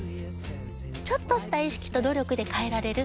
ちょっとした意識と努力で変えられる。